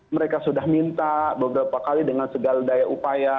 mereka sudah minta beberapa kali dengan segala daya upaya